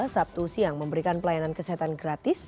sabtu siang memberikan pelayanan kesehatan gratis